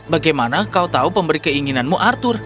bagaimana kau tahu pemberi keinginanmu arthur